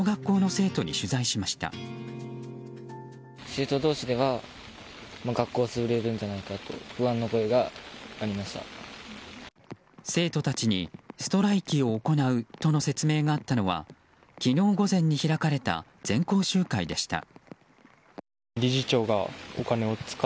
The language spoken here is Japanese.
生徒たちにストライキを行うとの説明があったのは昨日午前に開かれた全校集会でした。